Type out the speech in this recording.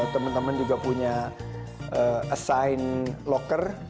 teman teman juga punya assign locker